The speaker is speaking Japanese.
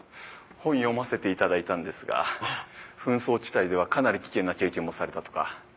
本読ませていただいたんですが紛争地帯ではかなり危険な経験もされたとか。